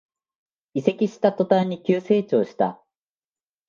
移籍した途端に急成長した